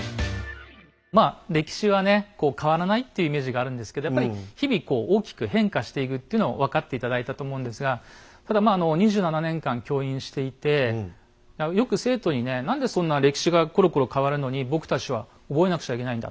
まあ歴史はねこう変わらないっていうイメージがあるんですけどやっぱり日々こう大きく変化していくっていうのを分かって頂いたと思うんですがただまああの２７年間教員していてよく生徒にね何でそんな歴史がころころ変わるのに僕たちは覚えなくちゃいけないんだ